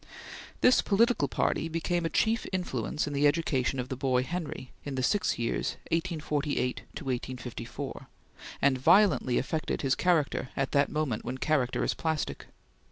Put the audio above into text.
This political party became a chief influence in the education of the boy Henry in the six years 1848 to 1854, and violently affected his character at the moment when character is plastic.